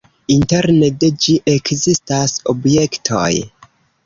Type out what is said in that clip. Interne de ĝi ekzistas objektoj.